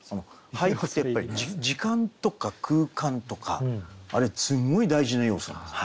俳句ってやっぱり時間とか空間とかあれすごい大事な要素なんです。